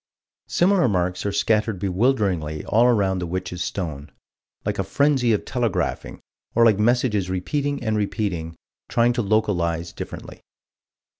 Similar marks are scattered bewilderingly all around the Witch's Stone like a frenzy of telegraphing, or like messages repeating and repeating, trying to localize differently.